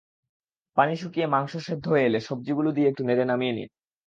পানি শুকিয়ে মাংস সেদ্ধ হয়ে এলে সবজিগুলো দিয়ে একটু নেড়ে নামিয়ে নিন।